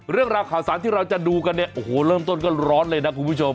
เรื่องราวข่าวสารที่เราจะดูกันเนี่ยโอ้โหเริ่มต้นก็ร้อนเลยนะคุณผู้ชม